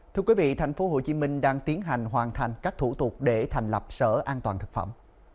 thưa quý vị thành phố hồ chí minh đang tiến hành hoàn thành các thủ tục để thành lập sở an toàn thực phẩm